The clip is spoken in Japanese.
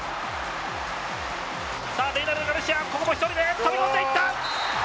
レイナルド・ガルシア１人で飛び込んでいった！